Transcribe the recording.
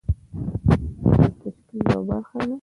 بست د تشکیل یوه برخه ده.